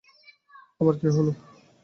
আবার কী হলো?